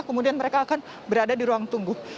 kemudian mereka akan berada di ruang tunggu